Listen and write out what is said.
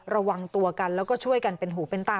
ระวังตัวกันแล้วก็ช่วยกันเป็นหูเป็นตา